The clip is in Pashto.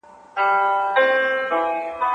هغه وویل چې د مرستو ویش باید شفاف وي.